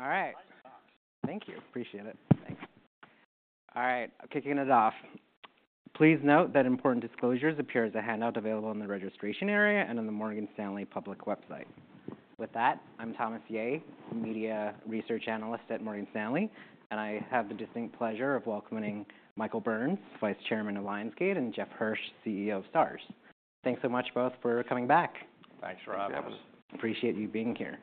All right. Thank you. Appreciate it. Thanks. All right, I'm kicking it off. Please note that important disclosures appear as a handout available in the registration area and on the Morgan Stanley public website. With that, I'm Thomas Yeh, Media Research Analyst at Morgan Stanley, and I have the distinct pleasure of welcoming Michael Burns, Vice Chairman of Lionsgate, and Jeff Hirsch, CEO of Starz. Thanks so much, both, for coming back. Thanks, Rob. Yes. Appreciate you being here.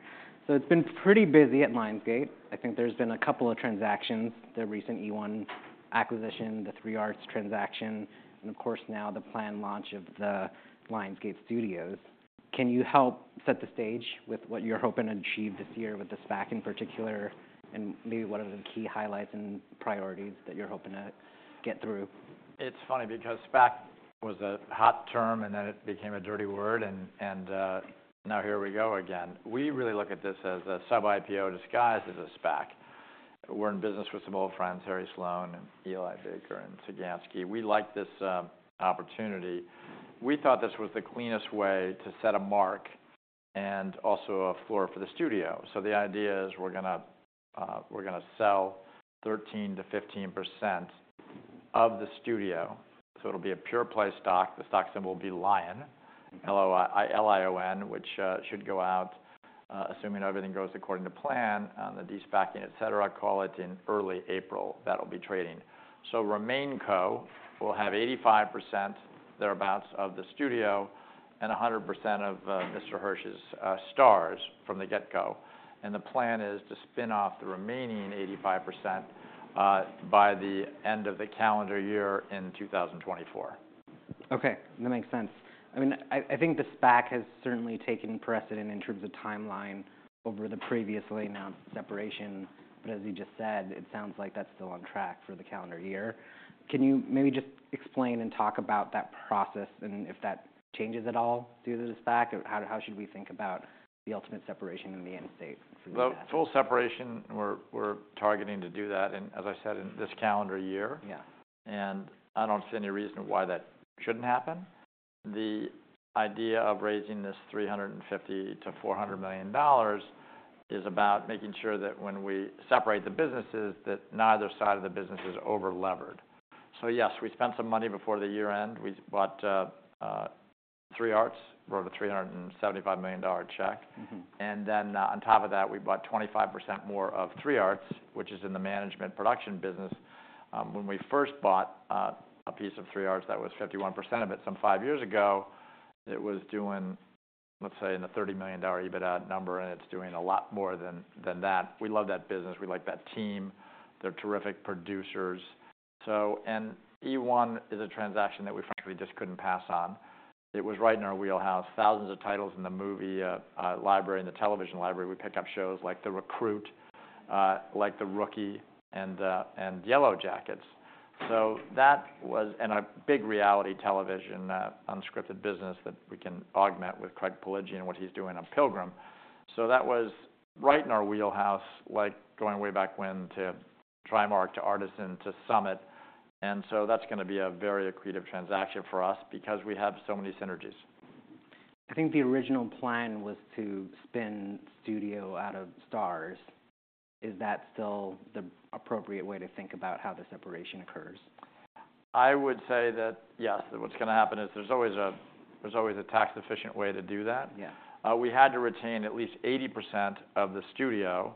It's been pretty busy at Lionsgate. I think there's been a couple of transactions: the recent eOne acquisition, the 3 Arts transaction, and of course, now the planned launch of the Lionsgate Studios. Can you help set the stage with what you're hoping to achieve this year with the SPAC in particular, and maybe what are the key highlights and priorities that you're hoping to get through? It's funny because SPAC was a hot term, and then it became a dirty word and now here we go again. We really look at this as a sub-IPO disguised as a SPAC. We're in business with some old friends, Harry Sloan and Eli Baker and Sagansky. We like this opportunity. We thought this was the cleanest way to set a mark and also a floor for the studio. So the idea is we're gonna we're gonna sell 13%-15% of the studio, so it'll be a pure play stock. The stock symbol will be LION, L-I-O-N, which should go out assuming everything goes according to plan, on the de-SPACing, et cetera, call it in early April, that'll be trading. So RemainCo will have 85%, thereabouts, of the studio and 100% of Mr. Hirsch's Starz from the get-go. And the plan is to spin off the remaining 85% by the end of the calendar year in 2024. Okay, that makes sense. I mean, I think the SPAC has certainly taken precedent in terms of timeline over the previously announced separation, but as you just said, it sounds like that's still on track for the calendar year. Can you maybe just explain and talk about that process and if that changes at all due to the SPAC? Or how should we think about the ultimate separation in the end state for that? Well, full separation, we're targeting to do that in, as I said, in this calendar year. Yeah. And I don't see any reason why that shouldn't happen. The idea of raising this $350 million-$400 million is about making sure that when we separate the businesses, that neither side of the business is over-levered. So yes, we spent some money before the year-end. We bought 3 Arts, wrote a $375 million dollar check. Mm-hmm. Then, on top of that, we bought 25% more of 3 Arts, which is in the management production business. When we first bought a piece of 3 Arts, that was 51% of it some 5 years ago, it was doing, let's say, a $30 million EBITDA number, and it's doing a lot more than that. We love that business. We like that team. They're terrific producers. So... eOne is a transaction that we frankly just couldn't pass on. It was right in our wheelhouse. Thousands of titles in the movie library, in the television library. We pick up shows like The Recruit, like The Rookie and Yellowjackets. So that was a big reality television unscripted business that we can augment with Craig Piligian and what he's doing on Pilgrim. So that was right in our wheelhouse, like going way back when to Trimark, to Artisan, to Summit, and so that's gonna be a very accretive transaction for us because we have so many synergies. I think the original plan was to spin studio out of Starz. Is that still the appropriate way to think about how the separation occurs? I would say that, yes, what's gonna happen is there's always a tax-efficient way to do that. Yeah. We had to retain at least 80% of the studio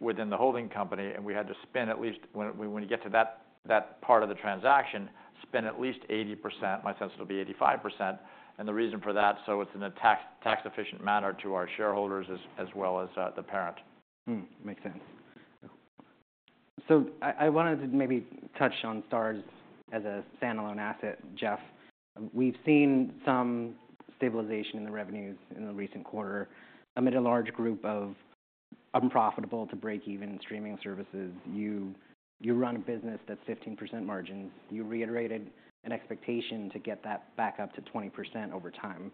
within the holding company, and we had to spin at least 80%. When you get to that part of the transaction, spin at least 80%, my sense it'll be 85%. And the reason for that, so it's in a tax-efficient manner to our shareholders as well as the parent. Hmm, makes sense. So I, I wanted to maybe touch on Starz as a standalone asset. Jeff, we've seen some stabilization in the revenues in the recent quarter. Amid a large group of unprofitable to break even streaming services, you, you run a business that's 15% margins. You reiterated an expectation to get that back up to 20% over time.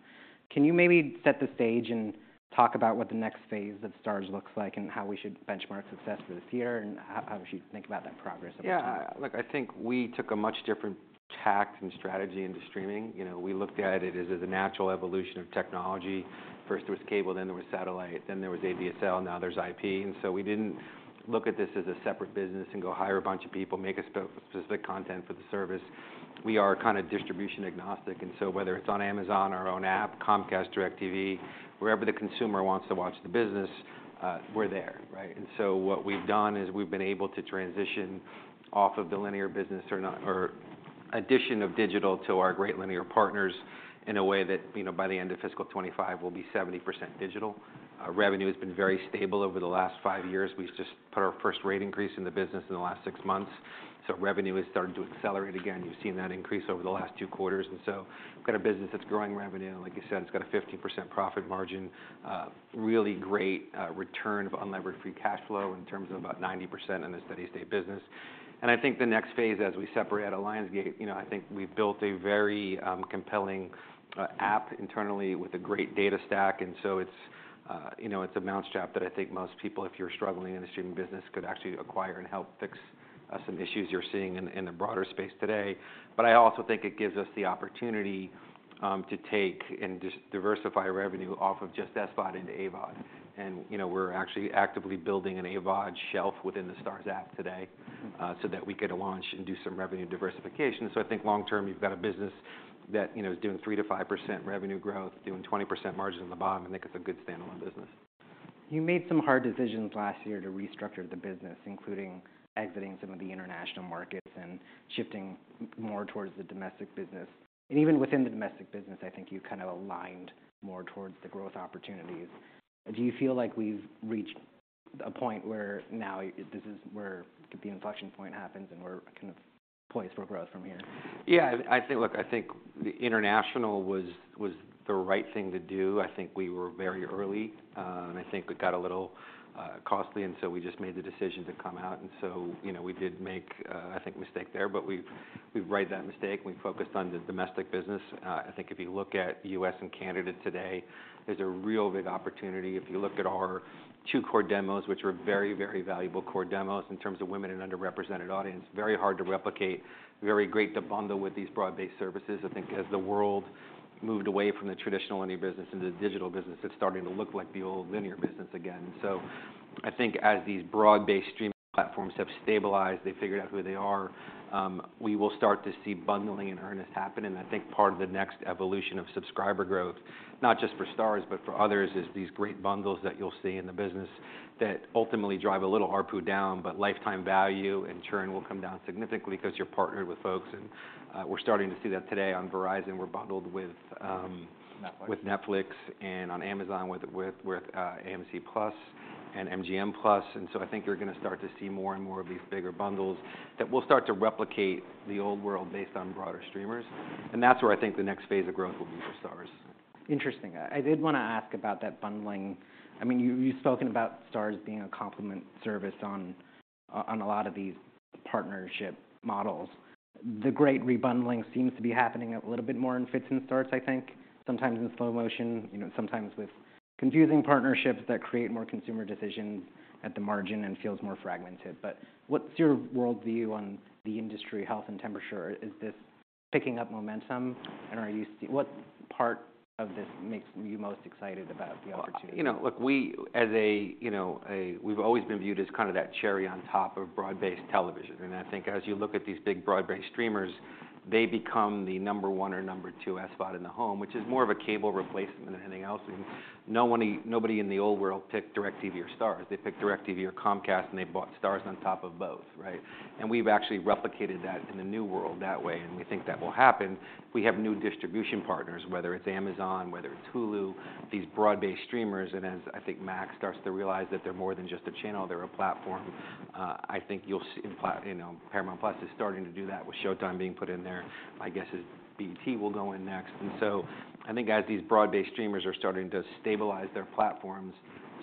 Can you maybe set the stage and talk about what the next phase of Starz looks like, and how we should benchmark success for this year, and how, how we should think about that progress over time? Yeah. Look, I think we took a much different tact and strategy into streaming. You know, we looked at it as a natural evolution of technology. First, there was cable, then there was satellite, then there was a DSL, now there's IP. And so we didn't look at this as a separate business and go hire a bunch of people, make a specific content for the service. We are kind of distribution agnostic, and so whether it's on Amazon, our own app, Comcast, DirecTV, wherever the consumer wants to watch the business, we're there, right? And so what we've done is we've been able to transition off of the linear business addition of digital to our great linear partners in a way that, you know, by the end of fiscal 2025 will be 70% digital. Our revenue has been very stable over the last five years. We've just put our first rate increase in the business in the last six months, so revenue is starting to accelerate again. You've seen that increase over the last two quarters. And so we've got a business that's growing revenue, and like you said, it's got a 15% profit margin. Really great return of unlevered free cash flow in terms of about 90% in the steady state business. And I think the next phase as we separate out Lionsgate, you know, I think we've built a very compelling app internally with a great data stack, and so it's, you know, it's a mouse trap that I think most people, if you're struggling in the streaming business, could actually acquire and help fix-... Some issues you're seeing in the broader space today. But I also think it gives us the opportunity to take and just diversify revenue off of just SVOD into AVOD. And, you know, we're actually actively building an AVOD shelf within the Starz app today, so that we could launch and do some revenue diversification. So I think long term, you've got a business that, you know, is doing 3%-5% revenue growth, doing 20% margins on the bottom, I think it's a good standalone business. You made some hard decisions last year to restructure the business, including exiting some of the international markets and shifting more towards the domestic business. Even within the domestic business, I think you've kind of aligned more towards the growth opportunities. Do you feel like we've reached a point where now this is where the inflection point happens, and we're kind of poised for growth from here? Yeah, I think... Look, I think the international was the right thing to do. I think we were very early, and I think it got a little costly, and so we just made the decision to come out. And so, you know, we did make a, I think, mistake there, but we've righted that mistake, and we focused on the domestic business. I think if you look at U.S. and Canada today, there's a real big opportunity. If you look at our two core demos, which are very, very valuable core demos in terms of women and underrepresented audience, very hard to replicate, very great to bundle with these broad-based services. I think as the world moved away from the traditional linear business into the digital business, it's starting to look like the old linear business again. So I think as these broad-based streaming platforms have stabilized, they figured out who they are, we will start to see bundling in earnest happen. And I think part of the next evolution of subscriber growth, not just for Starz, but for others, is these great bundles that you'll see in the business that ultimately drive a little ARPU down, but lifetime value and churn will come down significantly 'cause you're partnered with folks. And, we're starting to see that today on Verizon, we're bundled with, Netflix... with Netflix and on Amazon, with AMC+ and MGM+. And so I think you're gonna start to see more and more of these bigger bundles that will start to replicate the old world based on broader streamers. And that's where I think the next phase of growth will be for Starz. Interesting. I did wanna ask about that bundling. I mean, you, you've spoken about Starz being a complement service on, on a lot of these partnership models. The great rebundling seems to be happening a little bit more in fits and starts, I think. Sometimes in slow motion, you know, sometimes with confusing partnerships that create more consumer decisions at the margin and feels more fragmented. But what's your world view on the industry health and temperature? Is this picking up momentum, and are you seeing what part of this makes you most excited about the opportunity? You know, look, we as a, you know, we've always been viewed as kind of that cherry on top of broad-based television. I think as you look at these big, broad-based streamers, they become the number 1 or number 2 SVOD in the home, which is more of a cable replacement than anything else. No one, nobody in the old world picked DirecTV or Starz. They picked DirecTV or Comcast, and they bought Starz on top of both, right? We've actually replicated that in the new world that way, and we think that will happen. We have new distribution partners, whether it's Amazon, whether it's Hulu, these broad-based streamers. As I think Max starts to realize that they're more than just a channel, they're a platform, I think you'll see, you know, Paramount+ is starting to do that, with Showtime being put in there. My guess is BET will go in next. So I think as these broad-based streamers are starting to stabilize their platforms,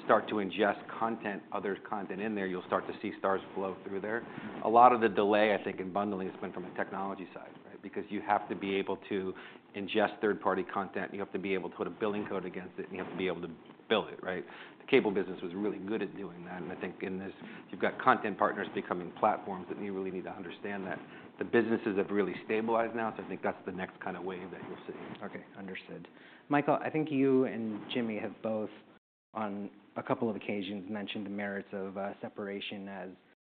start to ingest content, other content in there, you'll start to see Starz flow through there. A lot of the delay, I think, in bundling has been from a technology side, right? Because you have to be able to ingest third-party content, you have to be able to put a billing code against it, and you have to be able to bill it, right? The cable business was really good at doing that. I think in this, you've got content partners becoming platforms, and you really need to understand that the businesses have really stabilized now. I think that's the next kind of wave that you'll see. Okay, understood. Michael, I think you and Jimmy have both, on a couple of occasions, mentioned the merits of separation as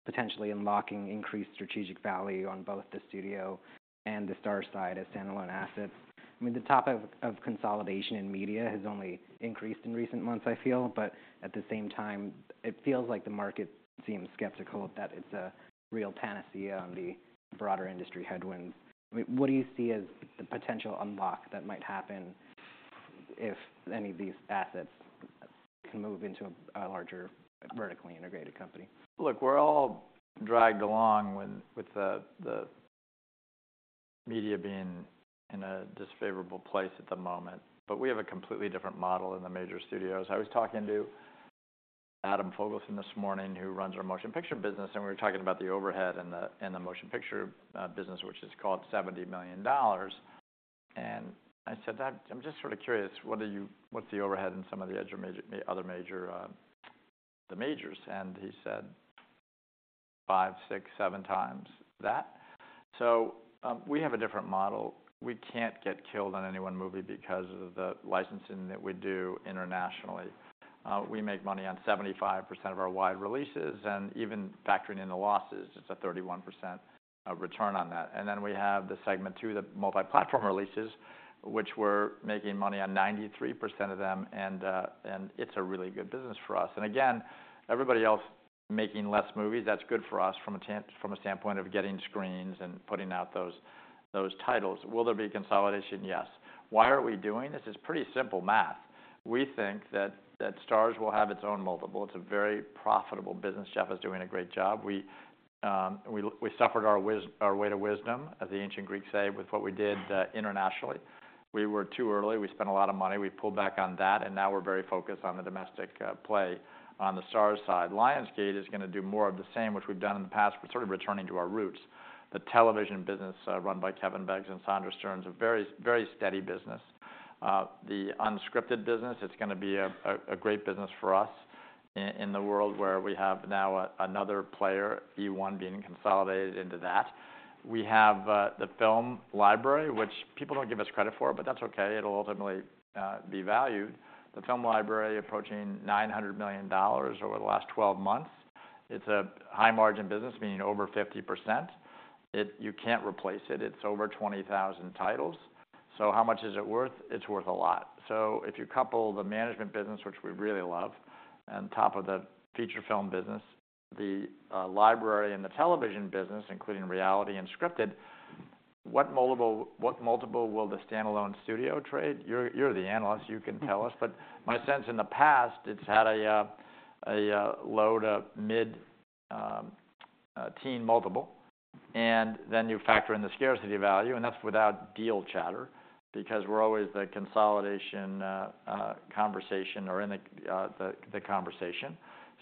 potentially unlocking increased strategic value on both the studio and the Starz side as standalone assets. I mean, the topic of consolidation in media has only increased in recent months, I feel, but at the same time, it feels like the market seems skeptical that it's a real panacea on the broader industry headwinds. I mean, what do you see as the potential unlock that might happen if any of these assets can move into a larger, vertically integrated company? Look, we're all dragged along with the media being in an unfavorable place at the moment. But we have a completely different model in the major studios. I was talking to Adam Fogelson this morning, who runs our motion picture business, and we were talking about the overhead in the motion picture business, which is $70 million. And I said, "Adam, I'm just sort of curious, what's the overhead in some of the other majors?" And he said, "5, 6, 7 times that." So, we have a different model. We can't get killed on any one movie because of the licensing that we do internationally. We make money on 75% of our wide releases, and even factoring in the losses, it's a 31% return on that. Then we have the segment two, the multi-platform releases, which we're making money on 93% of them, and it's a really good business for us. And again, everybody else making less movies, that's good for us from a standpoint of getting screens and putting out those titles. Will there be consolidation? Yes. Why are we doing this? It's pretty simple math. We think that Starz will have its own multiple. It's a very profitable business. Jeff is doing a great job. We suffered our way to wisdom, as the ancient Greeks say, with what we did internationally. We were too early. We spent a lot of money. We pulled back on that, and now we're very focused on the domestic play on the Starz side. Lionsgate is gonna do more of the same, which we've done in the past. We're sort of returning to our roots. The television business, run by Kevin Beggs and Sandra Stern, is a very, very steady business. The unscripted business, it's gonna be a great business for us in the world where we have now another player, EOne, being consolidated into that. We have the film library, which people don't give us credit for, but that's okay. It'll ultimately be valued. The film library approaching $900 million over the last 12 months. It's a high-margin business, meaning over 50%. It. You can't replace it. It's over 20,000 titles. So how much is it worth? It's worth a lot. So if you couple the management business, which we really love, on top of the feature film business, the library and the television business, including reality and scripted, what multiple will the standalone studio trade? You're the analyst, you can tell us. But my sense in the past, it's had a low to mid-teen multiple, and then you factor in the scarcity value, and that's without deal chatter, because we're always the consolidation conversation or in the conversation.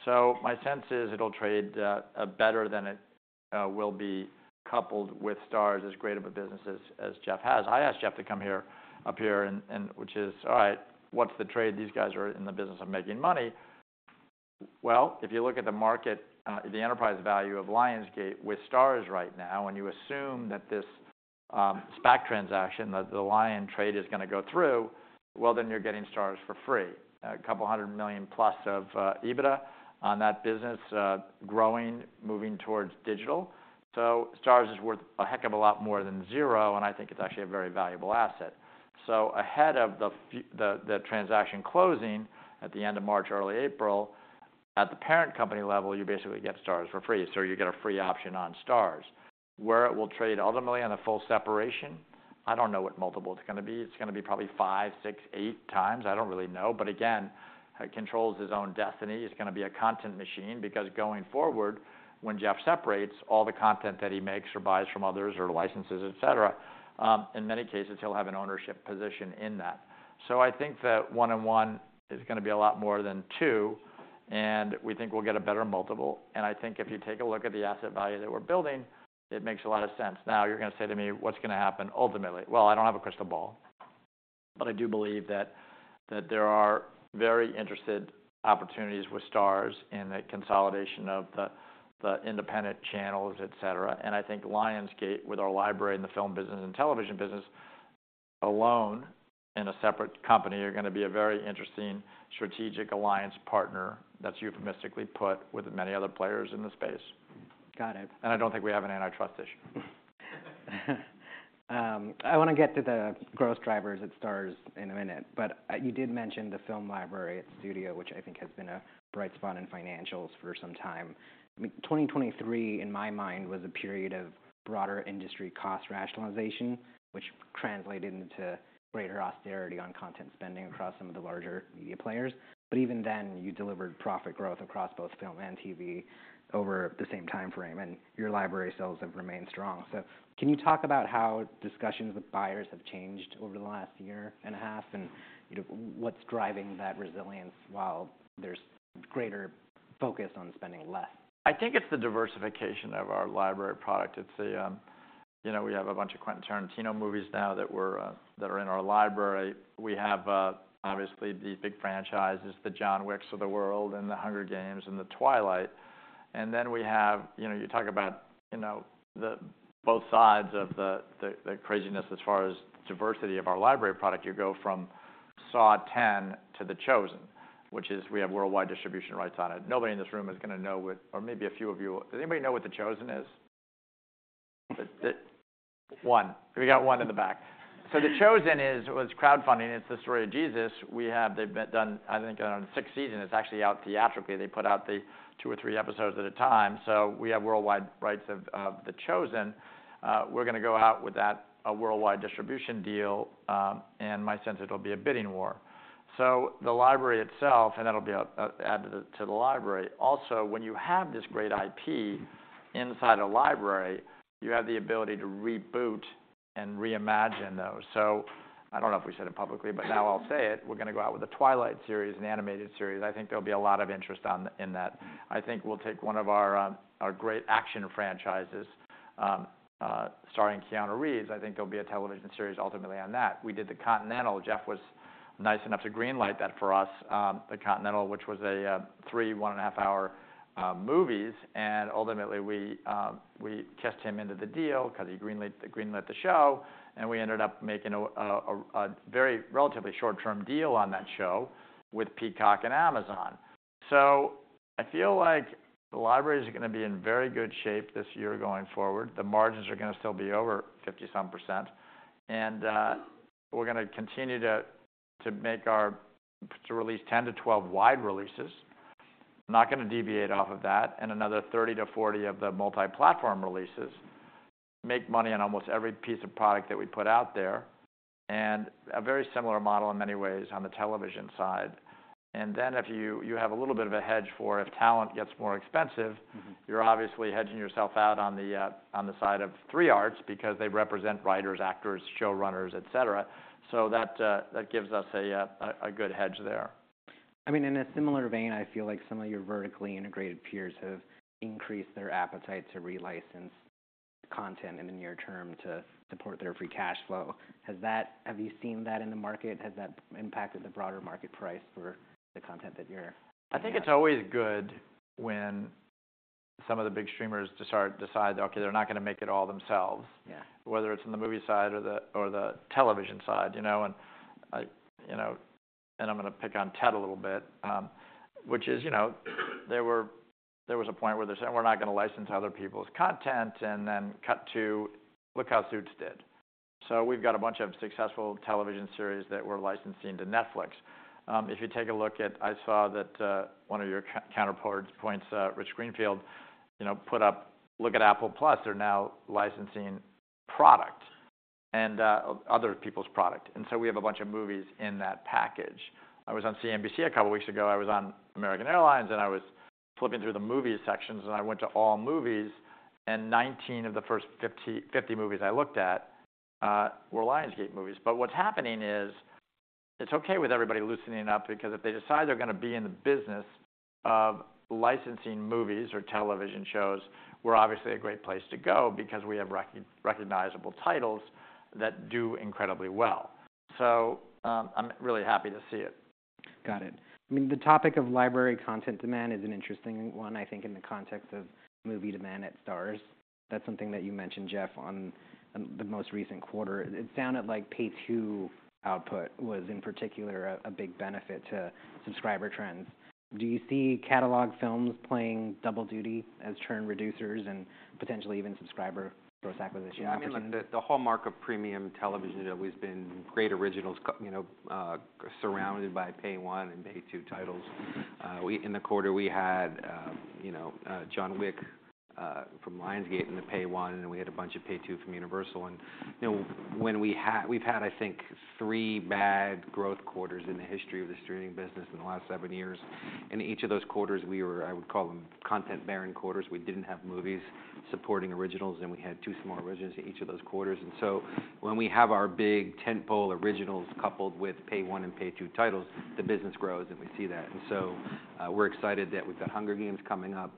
So my sense is, it'll trade better than it will be coupled with Starz as great of a business as Jeff has. I asked Jeff to come up here, and which is, all right, what's the trade? These guys are in the business of making money. Well, if you look at the market, the enterprise value of Lionsgate with Starz right now, and you assume that this SPAC transaction, that the LION trade is gonna go through, well, then you're getting Starz for free. $200 million plus of EBITDA on that business, growing, moving towards digital. So Starz is worth a heck of a lot more than zero, and I think it's actually a very valuable asset. So ahead of the transaction closing at the end of March, early April, at the parent company level, you basically get Starz for free, so you get a free option on Starz. Where it will trade ultimately on a full separation, I don't know what multiple it's gonna be. It's gonna be probably 5, 6, 8 times. I don't really know, but again, it controls his own destiny. It's gonna be a content machine, because going forward, when Jeff separates, all the content that he makes or buys from others or licenses, et cetera, in many cases, he'll have an ownership position in that. So I think that one on one is gonna be a lot more than two, and we think we'll get a better multiple. And I think if you take a look at the asset value that we're building, it makes a lot of sense. Now, you're gonna say to me, "What's gonna happen ultimately?" Well, I don't have a crystal ball, but I do believe that there are very interested opportunities with Starz in the consolidation of the independent channels, et cetera. I think Lionsgate, with our library and the film business and television business, alone, in a separate company, are gonna be a very interesting strategic alliance partner that's euphemistically put with many other players in the space. Got it. I don't think we have an antitrust issue. I wanna get to the growth drivers at Starz in a minute, but, you did mention the film library at studio, which I think has been a bright spot in financials for some time. 2023, in my mind, was a period of broader industry cost rationalization, which translated into greater austerity on content spending across some of the larger media players. But even then, you delivered profit growth across both film and TV over the same timeframe, and your library sales have remained strong. So can you talk about how discussions with buyers have changed over the last year and a half, and, you know, what's driving that resilience while there's greater focus on spending less? I think it's the diversification of our library product. It's a... You know, we have a bunch of Quentin Tarantino movies now that were, that are in our library. We have, obviously, the big franchises, the John Wicks of the world and The Hunger Games and the Twilight. And then we have, you know, you talk about, you know, the both sides of the, the, the craziness as far as diversity of our library product. You go from Saw X to The Chosen, which is we have worldwide distribution rights on it. Nobody in this room is gonna know what-- or maybe a few of you. Does anybody know what The Chosen is? The... One. We got one in the back. So The Chosen is, was crowdfunding, it's the story of Jesus. We have, they've been done, I think, six seasons. It's actually out theatrically. They put out the two or three episodes at a time. So we have worldwide rights of The Chosen. We're gonna go out with that, a worldwide distribution deal, and my sense it'll be a bidding war. So the library itself, and that'll be added to the library. Also, when you have this great IP inside a library, you have the ability to reboot and reimagine those. So I don't know if we said it publicly, but now I'll say it: We're gonna go out with the Twilight series, an animated series. I think there'll be a lot of interest in that. I think we'll take one of our great action franchises starring Keanu Reeves. I think there'll be a television series ultimately on that. We did The Continental. Jeff was nice enough to green-light that for us, The Continental, which was a three 1.5-hour movies. Ultimately, we kissed him into the deal because he greenlit, greenlit the show, and we ended up making a very relatively short-term deal on that show with Peacock and Amazon. So I feel like the library is gonna be in very good shape this year going forward. The margins are gonna still be over 50-some%, and we're gonna continue to release 10-12 wide releases. Not gonna deviate off of that, and another 30-40 of the multi-platform releases, make money on almost every piece of product that we put out there, and a very similar model in many ways on the television side. And then if you have a little bit of a hedge for if talent gets more expensive- Mm-hmm. You're obviously hedging yourself out on the side of 3 Arts because they represent writers, actors, showrunners, et cetera. So that gives us a good hedge there. I mean, in a similar vein, I feel like some of your vertically integrated peers have increased their appetite to relicense content in the near term to support their free cash flow. Have you seen that in the market? Has that impacted the broader market price for the content that you're- I think it's always good when some of the big streamers decide, okay, they're not gonna make it all themselves. Yeah. Whether it's in the movie side or the television side, you know, and I'm gonna pick on Ted a little bit, which is, you know, there was a point where they said, "We're not gonna license other people's content," and then cut to, "Look how Suits did." So we've got a bunch of successful television series that we're licensing to Netflix. If you take a look at, I saw that one of your counterpart's points, Rich Greenfield, you know, put up, "Look at Apple TV+. They're now licensing product and other people's product." And so we have a bunch of movies in that package. I was on CNBC a couple weeks ago. I was on American Airlines, and I was flipping through the movie sections, and I went to All Movies, and 19 of the first 50 movies I looked at were Lionsgate movies. But what's happening is, it's okay with everybody loosening up, because if they decide they're gonna be in the business of licensing movies or television shows, we're obviously a great place to go, because we have recognizable titles that do incredibly well. So, I'm really happy to see it. Got it. I mean, the topic of library content demand is an interesting one, I think, in the context of movie demand at Starz. That's something that you mentioned, Jeff, on the most recent quarter. It sounded like Pay 2 output was, in particular, a big benefit to subscriber trends. Do you see catalog films playing double duty as churn reducers and potentially even subscriber gross acquisition? Yeah, I mean, like, the hallmark of premium television has always been great originals, you know, surrounded by Pay One and Pay Two titles. In the quarter we had, you know, John Wick from Lionsgate in the Pay One, and then we had a bunch of Pay Two from Universal. And, you know, we've had, I think, three bad growth quarters in the history of the streaming business in the last seven years. In each of those quarters, we were... I would call them content-barren quarters. We didn't have movies supporting originals, and we had two small originals in each of those quarters. And so, when we have our big tentpole originals coupled with Pay One and Pay Two titles, the business grows, and we see that. We're excited that we've got Hunger Games coming up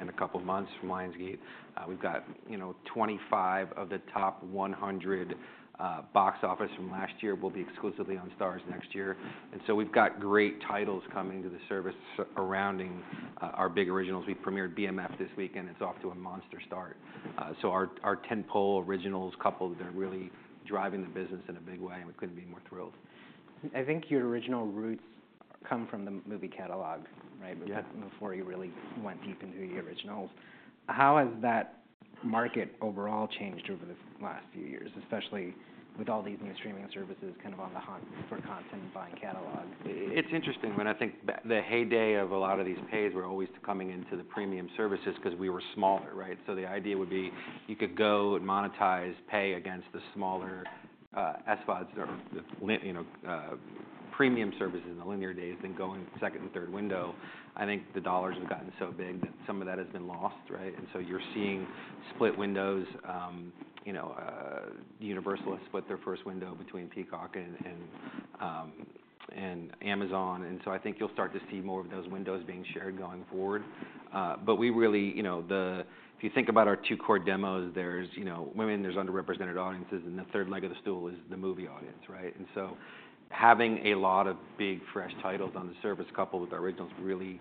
in a couple of months from Lionsgate. We've got, you know, 25 of the top 100 box office from last year will be exclusively on Starz next year. We've got great titles coming to the service surrounding our big originals. We premiered BMF this week, and it's off to a monster start. Our tentpole originals coupled, they're really driving the business in a big way, and we couldn't be more thrilled. I think your original roots come from the movie catalog, right? Yeah. Before you really went deep into the originals. How has that market overall changed over the last few years, especially with all these new streaming services kind of on the hunt for content and buying catalogs? It's interesting. When I think the heyday of a lot of these pays were always coming into the premium services because we were smaller, right? So the idea would be, you could go and monetize, pay against the smaller SVODs or the premium services in the linear days, then go in the second and third window. I think the dollars have gotten so big that some of that has been lost, right? And so you're seeing split windows. You know, Universal has split their first window between Peacock and Amazon. And so I think you'll start to see more of those windows being shared going forward. But we really... You know, if you think about our two core demos, there's, you know, women, there's underrepresented audiences, and the third leg of the stool is the movie audience, right? And so having a lot of big, fresh titles on the service, coupled with originals, really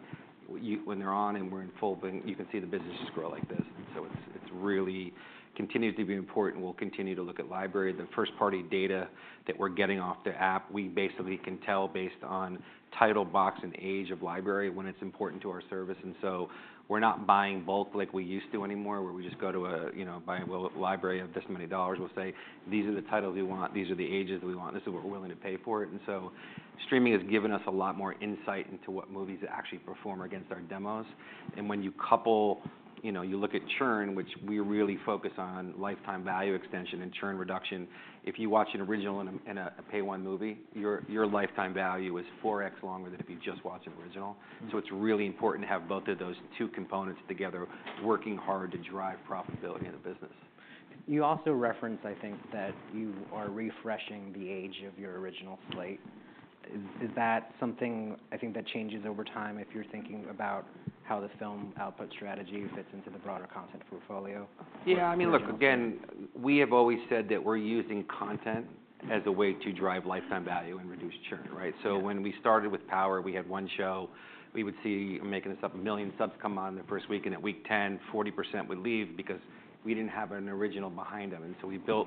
when they're on and we're in full, then you can see the business just grow like this. And so it's really continues to be important. We'll continue to look at library. The first-party data that we're getting off the app, we basically can tell based on title, box, and age of library, when it's important to our service. And so we're not buying bulk like we used to anymore, where we just go to a, you know, buy a library of this many dollars. We'll say, "These are the titles we want. These are the ages we want. This is what we're willing to pay for it." So streaming has given us a lot more insight into what movies actually perform against our demos. When you couple. You know, you look at churn, which we really focus on lifetime value extension and churn reduction. If you watch an original and a Pay One movie, your lifetime value is four X longer than if you just watch an original. Mm. It's really important to have both of those two components together, working hard to drive profitability in the business. You also referenced, I think, that you are refreshing the age of your original slate. Is that something, I think, that changes over time if you're thinking about how the film output strategy fits into the broader content portfolio? Yeah, I mean, look, again, we have always said that we're using content as a way to drive lifetime value and reduce churn, right? Yeah. So when we started with Power, we had one show. We would see, I'm making this up, 1 million subs come on in the first week, and at week 10, 40% would leave because we didn't have an original behind them. And so we built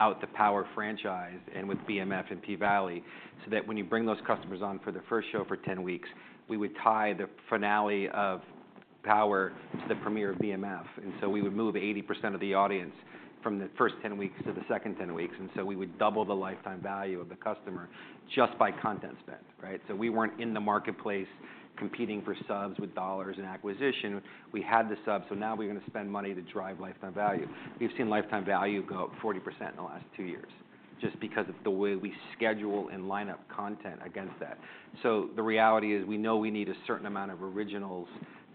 out the Power franchise and with BMF and P-Valley, so that when you bring those customers on for their first show for 10 weeks, we would tie the finale of Power to the premiere of BMF. And so we would move 80% of the audience from the first 10 weeks to the second 10 weeks, and so we would double the lifetime value of the customer just by content spend, right? So we weren't in the marketplace competing for subs with dollars and acquisition. We had the subs, so now we're gonna spend money to drive lifetime value. We've seen lifetime value go up 40% in the last two years, just because of the way we schedule and line up content against that. So the reality is, we know we need a certain amount of originals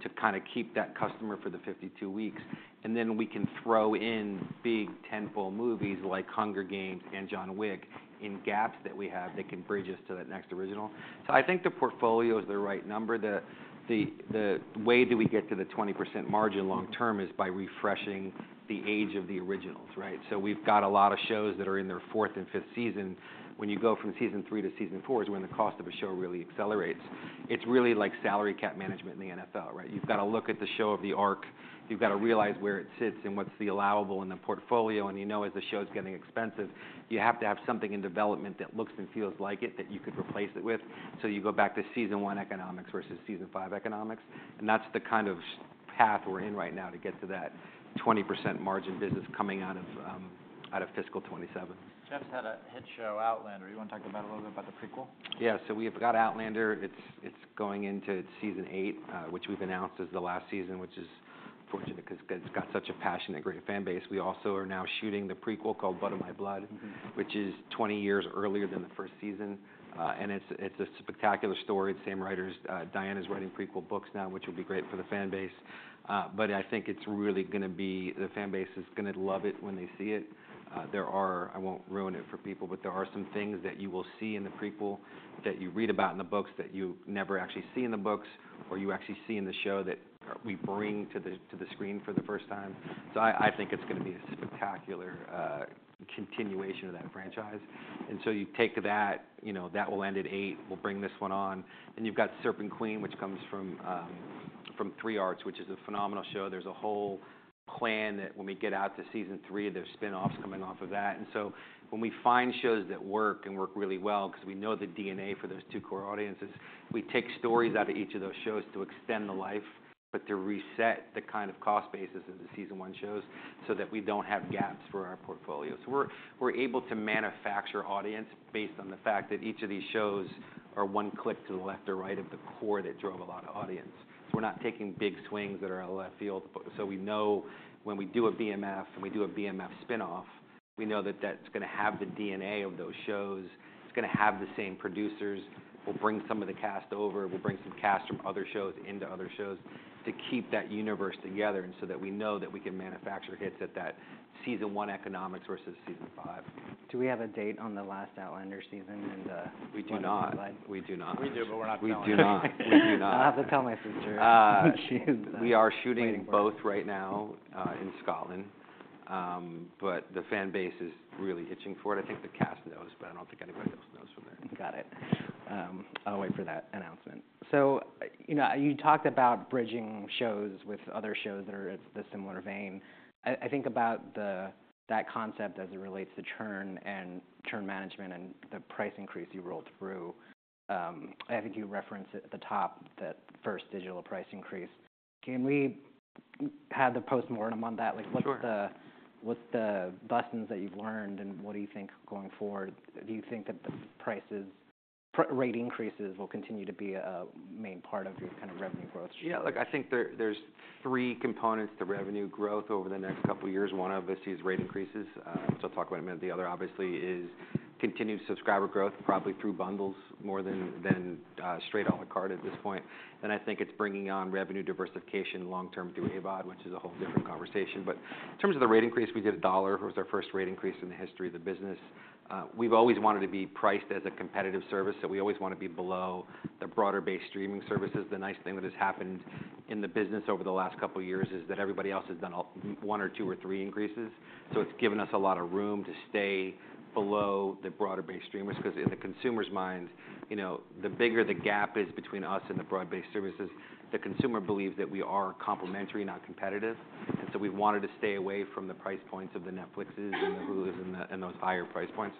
to kinda keep that customer for the 52 weeks, and then we can throw in big tenfold movies like Hunger Games and John Wick in gaps that we have that can bridge us to that next original. So I think the portfolio is the right number. The way that we get to the 20% margin long term is by refreshing the age of the originals, right? So we've got a lot of shows that are in their fourth and fifth season. When you go from season three to season four is when the cost of a show really accelerates. It's really like salary cap management in the NFL, right? You've got to look at the show of the arc, you've got to realize where it sits and what's the allowable in the portfolio. And you know, as the show's getting expensive, you have to have something in development that looks and feels like it, that you could replace it with. So you go back to season 1 economics versus season 5 economics, and that's the kind of path we're in right now to get to that 20% margin business coming out of fiscal 2027. Jeff's had a hit show, Outlander. You want to talk about a little bit about the prequel? Yeah, so we've got Outlander. It's, it's going into season eight, which we've announced is the last season, which is fortunate because it's got such a passionate, great fan base. We also are now shooting the prequel called Blood of My Blood, which is 20 years earlier than the first season. And it's, it's a spectacular story. The same writers, Diana's writing prequel books now, which will be great for the fan base. But I think it's really gonna be... The fan base is gonna love it when they see it. There are, I won't ruin it for people, but there are some things that you will see in the prequel that you read about in the books, that you never actually see in the books, or you actually see in the show that we bring to the, to the screen for the first time. So I think it's gonna be a spectacular continuation of that franchise. And so you take that, you know, that will end at eight. We'll bring this one on. Then you've got Serpent Queen, which comes from from 3 Arts, which is a phenomenal show. There's a whole plan that when we get out to season three, there's spinoffs coming off of that. And so when we find shows that work and work really well, because we know the DNA for those two core audiences, we take stories out of each of those shows to extend the life, but to reset the kind of cost basis of the season one shows so that we don't have gaps for our portfolio. So we're able to manufacture audience based on the fact that each of these shows are one click to the left or right of the core that drove a lot of audience. So we're not taking big swings that are out of left field. So we know when we do a BMF and we do a BMF spinoff, we know that that's gonna have the DNA of those shows. It's gonna have the same producers. We'll bring some of the cast over. We'll bring some cast from other shows into other shows to keep that universe together, and so that we know that we can manufacture hits at that season one economics versus season five. Do we have a date on the last Outlander season and? We do not. Blood of My Blood. We do not. We do, but we're not telling. We do not. We do not. I'll have to tell my sister. She is- We are shooting both right now, in Scotland. But the fan base is really itching for it. I think the cast knows, but I don't think anybody else knows from there. Got it. I'll wait for that announcement. So, you know, you talked about bridging shows with other shows that are at the similar vein. I think about that concept as it relates to churn and churn management and the price increase you rolled through. I think you referenced it at the top, the first digital price increase. Can we have the postmortem on that? Sure. Like, what's the lessons that you've learned, and what do you think going forward? Do you think that the prices rate increases will continue to be a main part of your kind of revenue growth? Yeah, look, I think there, there's three components to revenue growth over the next couple of years. One of is these rate increases, so I'll talk about them. The other, obviously, is continued subscriber growth, probably through bundles more than straight à la carte at this point. Then I think it's bringing on revenue diversification long term through AVOD, which is a whole different conversation. But in terms of the rate increase, we did $1. It was our first rate increase in the history of the business. We've always wanted to be priced as a competitive service, so we always want to be below the broader-based streaming services. The nice thing that has happened in the business over the last couple of years is that everybody else has done one or two or three increases. So it's given us a lot of room to stay below the broader-based streamers, because in the consumer's mind, you know, the bigger the gap is between us and the broad-based services, the consumer believes that we are complementary, not competitive. And so we wanted to stay away from the price points of the Netflixes and the Hulus and those higher price points.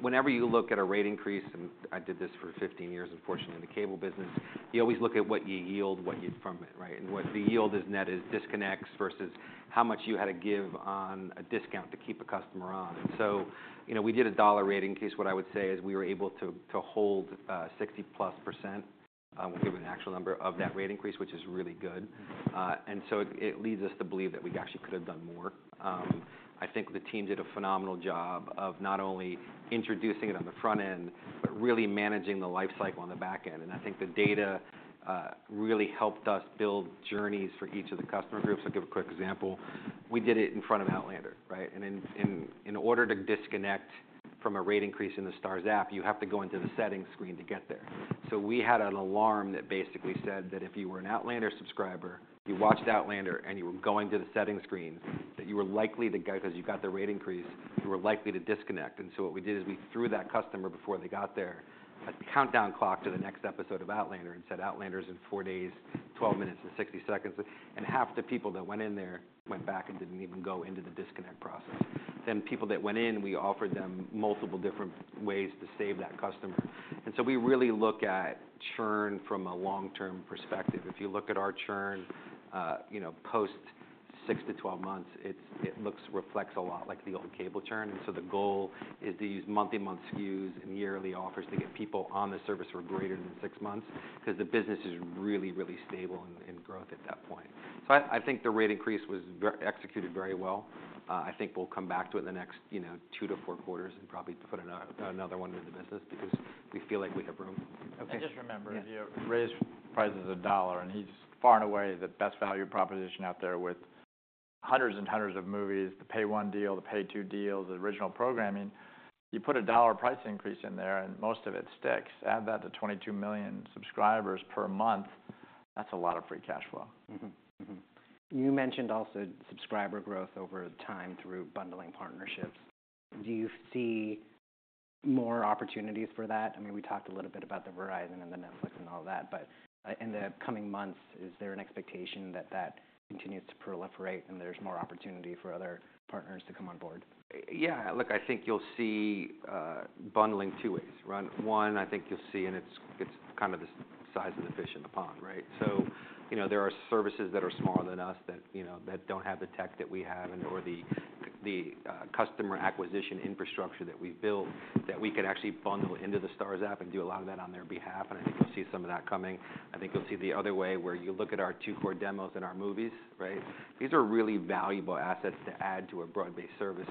Whenever you look at a rate increase, and I did this for 15 years, unfortunately, in the cable business, you always look at what you yield, what you... from it, right? And what the yield is net is disconnects versus how much you had to give on a discount to keep a customer on. So you know, we did a $1 rate increase. What I would say is, we were able to hold 60%+ of that rate increase, which is really good. And so it leads us to believe that we actually could have done more. I think the team did a phenomenal job of not only introducing it on the front end, but really managing the lifecycle on the back end. And I think the data really helped us build journeys for each of the customer groups. I'll give a quick example. We did it in front of Outlander, right? And in order to disconnect from a rate increase in the Starz app, you have to go into the settings screen to get there. So we had an alarm that basically said that if you were an Outlander subscriber, you watched Outlander, and you were going to the settings screen, that you were likely to go, because you got the rate increase, you were likely to disconnect. And so what we did is, we threw that customer before they got there, a countdown clock to the next episode of Outlander and said: "Outlander is in 4 days, 12 minutes and 60 seconds." And half the people that went in there went back and didn't even go into the disconnect process. Then people that went in, we offered them multiple different ways to save that customer. And so we really look at churn from a long-term perspective. If you look at our churn, you know, post 6-12 months, it looks, reflects a lot like the old cable churn. And so the goal is to use monthly month SKUs and yearly offers to get people on the service for greater than 6 months, because the business is really, really stable in growth at that point. So I think the rate increase was very well executed. I think we'll come back to it in the next, you know, 2-4 quarters and probably put another one in the business because we feel like we have room. Just remember- Yeah. You raised prices $1, and he's far and away the best value proposition out there with hundreds and hundreds of movies, the Pay 1 deal, the Pay 2 deal, the original programming. You put a $1 price increase in there, and most of it sticks. Add that to 22 million subscribers per month, that's a lot of free cash flow. Mm-hmm. Mm-hmm. You mentioned also subscriber growth over time through bundling partnerships. Do you see more opportunities for that? I mean, we talked a little bit about the Verizon and the Netflix and all that, but in the coming months, is there an expectation that that continues to proliferate and there's more opportunity for other partners to come on board? Yeah. Look, I think you'll see bundling two ways. One, I think you'll see, and it's, it's kind of the size of the fish in the pond, right? So, you know, there are services that are smaller than us that, you know, that don't have the tech that we have and/or the, the, customer acquisition infrastructure that we built, that we could actually bundle into the Starz app and do a lot of that on their behalf, and I think you'll see some of that coming. I think you'll see the other way, where you look at our two core demos and our movies, right? These are really valuable assets to add to a broad-based service.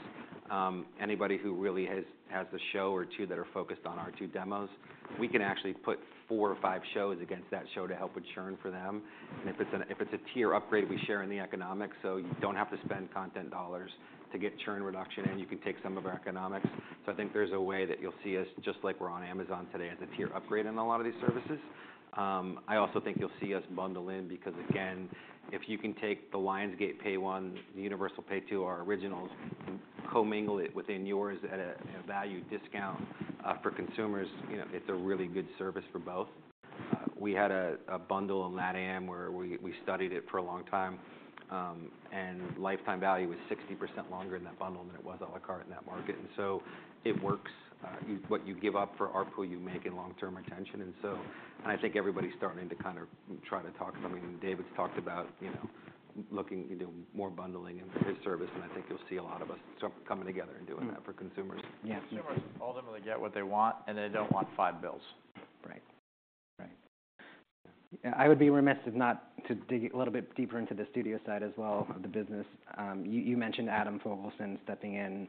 Anybody who really has a show or two that are focused on our two demos, we can actually put four or five shows against that show to help with churn for them. And if it's a tier upgrade, we share in the economics, so you don't have to spend content dollars to get churn reduction, and you can take some of our economics. So I think there's a way that you'll see us, just like we're on Amazon today, as a tier upgrade on a lot of these services. I also think you'll see us bundle in, because again, if you can take the Lionsgate Pay One, Universal Pay Two, our originals, commingle it within yours at a value discount, for consumers, you know, it's a really good service for both. We had a bundle in LatAm, where we studied it for a long time, and lifetime value was 60% longer in that bundle than it was à la carte in that market. And so it works. What you give up for ARPU, you make in long-term retention. And so I think everybody's starting to kind of try to talk to them. I mean, David's talked about, you know, looking into more bundling in his service, and I think you'll see a lot of us sort of coming together and doing that for consumers. Yeah. Consumers ultimately get what they want, and they don't want five bills. Right. Right. I would be remiss if not to dig a little bit deeper into the studio side as well of the business. You mentioned Adam Fogelson stepping in.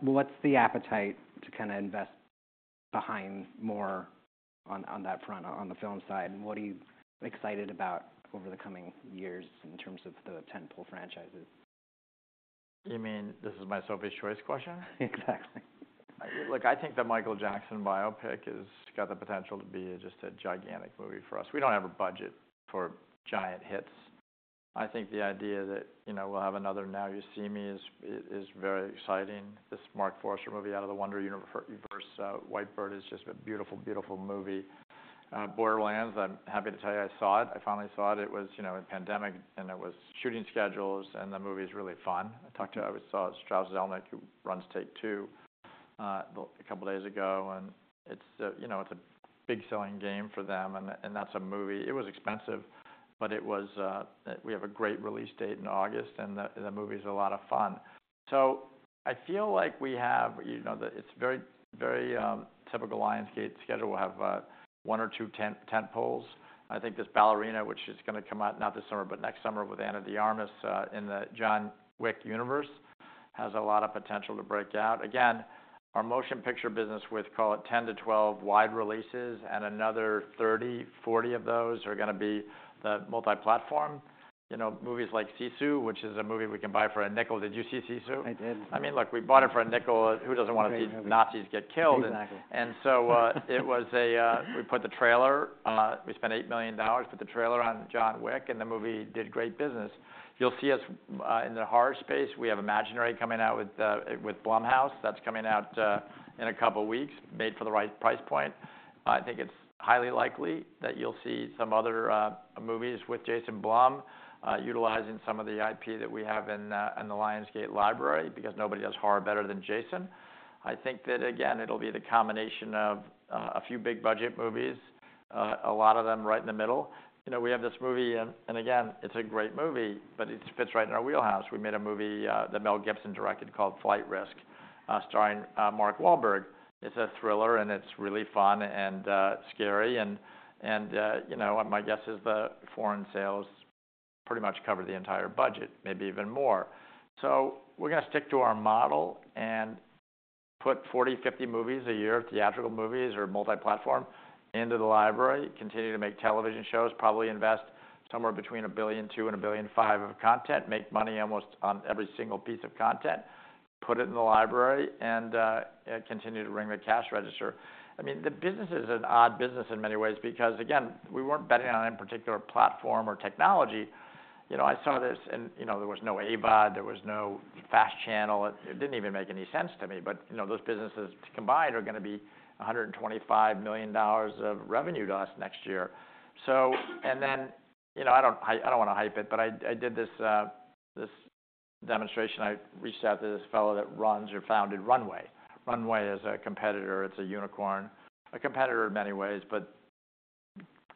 What's the appetite to kinda invest behind more on that front, on the film side? And what are you excited about over the coming years in terms of the tentpole franchises? You mean, this is my Sophie's Choice question? Exactly. Look, I think the Michael Jackson biopic has got the potential to be just a gigantic movie for us. We don't have a budget for giant hits. I think the idea that, you know, we'll have another Now You See Me is very exciting. This Mark Forster movie out of the Wonder universe, White Bird, is just a beautiful, beautiful movie. Borderlands, I'm happy to tell you I saw it. I finally saw it. It was, you know, a pandemic, and there was shooting schedules, and the movie is really fun. I saw Strauss Zelnick, who runs Take-Two, a couple of days ago, and it's a, you know, it's a big-selling game for them, and that's a movie. It was expensive, but it was... We have a great release date in August, and the movie is a lot of fun. So I feel like we have, you know, it's very, very typical Lionsgate schedule. We'll have one or two tentpoles. I think this Ballerina, which is gonna come out, not this summer, but next summer with Ana de Armas in the John Wick universe, has a lot of potential to break out. Again, our motion picture business with, call it, 10-12 wide releases and another 30-40 of those are gonna be the multi-platform. You know, movies like Sisu, which is a movie we can buy for a nickel. Did you see Sisu? I did. I mean, look, we bought it for a nickel. Great movie. Who doesn't want to see Nazis get killed? Exactly. And so, we put the trailer. We spent $8 million, put the trailer on John Wick, and the movie did great business. You'll see us in the horror space. We have Imaginary coming out with Blumhouse. That's coming out in a couple of weeks, made for the right price point. I think it's highly likely that you'll see some other movies with Jason Blum, utilizing some of the IP that we have in the Lionsgate library, because nobody does horror better than Jason. I think that, again, it'll be the combination of a few big-budget movies, a lot of them right in the middle. You know, we have this movie, and again, it's a great movie, but it fits right in our wheelhouse. We made a movie that Mel Gibson directed called Flight Risk, starring Mark Wahlberg. It's a thriller, and it's really fun and scary and, you know, my guess is the foreign sales pretty much cover the entire budget, maybe even more. So we're gonna stick to our model and put 40, 50 movies a year, theatrical movies or multi-platform, into the library, continue to make television shows, probably invest somewhere between $1.2 billion and $1.5 billion of content, make money almost on every single piece of content, put it in the library, and continue to ring the cash register. I mean, the business is an odd business in many ways because, again, we weren't betting on any particular platform or technology. You know, I saw this, and you know, there was no AVOD, there was no fast channel. It didn't even make any sense to me. But, you know, those businesses combined are gonna be $125 million of revenue to us next year. So and then, you know, I don't wanna hype it, but I did this demonstration. I reached out to this fellow that runs or founded Runway. Runway is a competitor. It's a unicorn, a competitor in many ways, but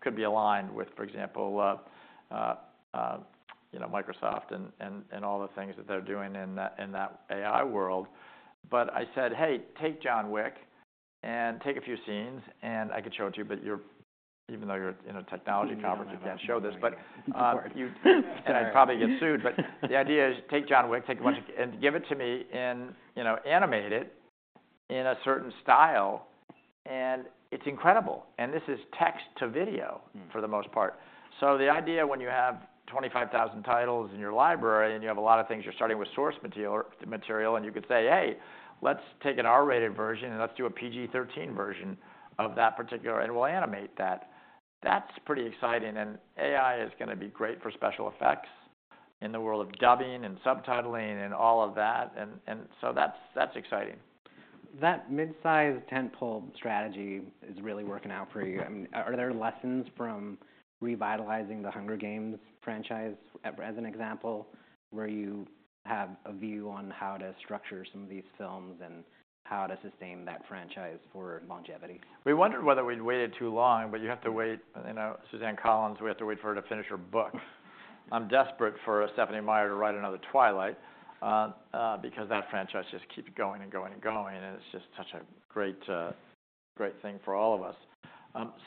could be aligned with, for example, you know, Microsoft and all the things that they're doing in that AI world. But I said: Hey, take John Wick and take a few scenes, and I could show it to you, but you're even though you're in a technology conference, I can't show this. Right. But, and I'd probably get sued. But the idea is take John Wick, take a bunch, and give it to me and, you know, animate it... in a certain style, and it's incredible. And this is text to video- Mm. For the most part. So the idea when you have 25,000 titles in your library, and you have a lot of things, you're starting with source material, and you could say, "Hey, let's take an R-rated version, and let's do a PG-13 version of that particular... And we'll animate that." That's pretty exciting, and AI is gonna be great for special effects in the world of dubbing and subtitling and all of that. And, and so that's, that's exciting. That mid-size tentpole strategy is really working out for you. I mean, are there lessons from revitalizing The Hunger Games franchise, as an example, where you have a view on how to structure some of these films and how to sustain that franchise for longevity? We wondered whether we'd waited too long, but you have to wait... You know, Suzanne Collins, we have to wait for her to finish her book. I'm desperate for Stephenie Meyer to write another Twilight, because that franchise just keeps going and going and going, and it's just such a great, great thing for all of us.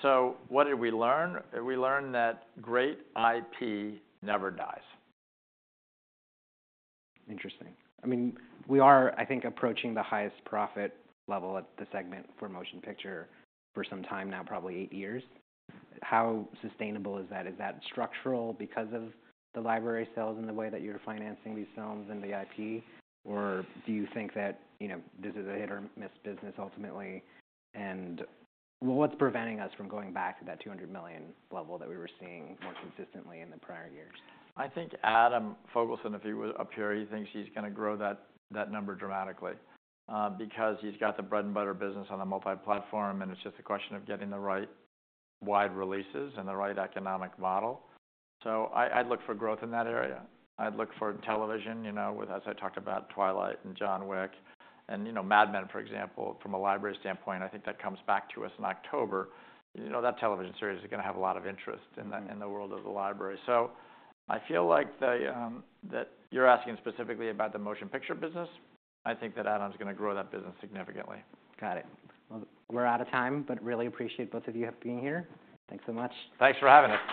So what did we learn? We learned that great IP never dies. Interesting. I mean, we are, I think, approaching the highest profit level at the segment for motion picture for some time now, probably eight years. How sustainable is that? Is that structural because of the library sales and the way that you're financing these films and the IP? Or do you think that, you know, this is a hit-or-miss business ultimately? And, well, what's preventing us from going back to that $200 million level that we were seeing more consistently in the prior years? I think Adam Fogelson, if he was up here, he thinks he's gonna grow that, that number dramatically, because he's got the bread-and-butter business on a multi-platform, and it's just a question of getting the right wide releases and the right economic model. So I'd look for growth in that area. I'd look for television, you know, with, as I talked about, Twilight and John Wick, and, you know, Mad Men, for example. From a library standpoint, I think that comes back to us in October. You know, that television series is gonna have a lot of interest- Mm-hmm... in the world of the library. So I feel like that you're asking specifically about the motion picture business. I think that Adam's gonna grow that business significantly. Got it. Well, we're out of time, but really appreciate both of you being here. Thanks so much. Thanks for having us.